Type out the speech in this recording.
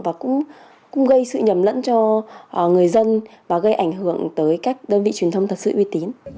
và cũng gây sự nhầm lẫn cho người dân và gây ảnh hưởng tới các đơn vị truyền thông thật sự uy tín